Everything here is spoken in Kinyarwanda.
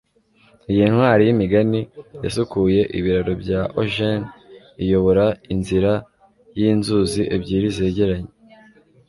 Iyi ntwari yimigani yasukuye ibiraro bya Augean iyobora inzira yinzuzi ebyiri zegeranye